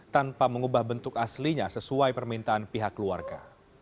tanpa mengubah bentuk aslinya sesuai permintaan pihak keluarga